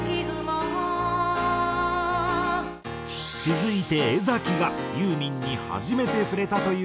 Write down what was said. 続いて江がユーミンに初めて触れたという楽曲がこちら。